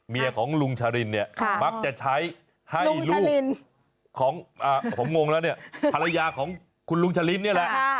ของลุงชะรินเนี่ยมักจะใช้ให้ลูกของผมงงแล้วเนี่ยภรรยาของคุณลุงชะลินนี่แหละ